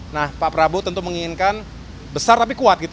nah pak prabowo tentu menginginkan besar tapi kuat gitu